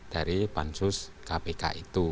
dari pansus kpk itu